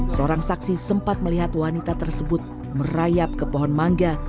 seorang saksi sempat melihat wanita tersebut merayap ke pohon mangga